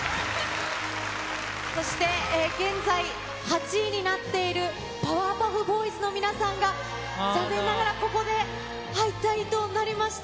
そして、現在８位になっているパワーパフボーイズの皆さんが、残念ながら、ここで敗退となりました。